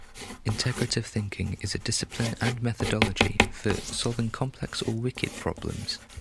Integrative thinking is a discipline and methodology for solving complex or wicked problems.